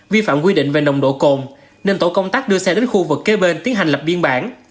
vi phạm quy định về nồng độ cồn nên tổ công tác đưa xe đến khu vực kế bên tiến hành lập biên bản